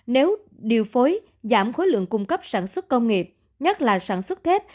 nếu điều phối giảm khối lượng cung cấp sản xuất công nghiệp nhất là sản xuất thép